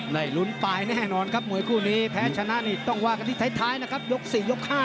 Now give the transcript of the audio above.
ลุ้นปลายแน่นอนครับมวยคู่นี้แพ้ชนะนี่ต้องว่ากันที่ท้ายนะครับยก๔ยก๕